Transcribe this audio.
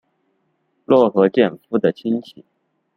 落合建夫的亲戚。